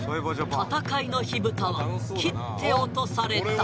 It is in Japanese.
戦いの火蓋は切って落とされた。